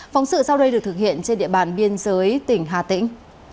phóng sự sau đây được thực hiện trên địa bàn biên giới tỉnh hà tĩnh